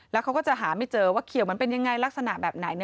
แล้วเขาก็จะหาไม่เจอว่าเขียวมันเป็นยังไงลักษณะแบบไหน